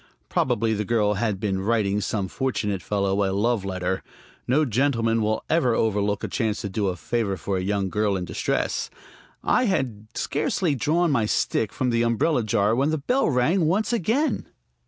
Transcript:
Probably the girl had been writing some fortunate fellow a love letter. No gentleman will ever overlook a chance to do a favor for a young girl in distress. I had scarcely drawn my stick from the umbrella jar when the bell rang once again.